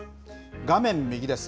画面右です。